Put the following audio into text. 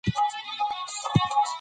مړاوي سوي رژېدلي د نېستۍ کندي ته تللي